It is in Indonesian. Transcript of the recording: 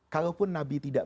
kalaupun nabi tidak